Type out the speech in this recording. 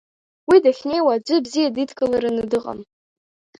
Уи дахьнеиуа аӡәы бзиа дидикылараны дыҟам.